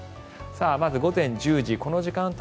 まず午前１０時この時間帯